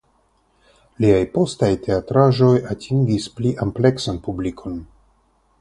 Liaj postaj teatraĵoj atingis pli ampleksan publikon.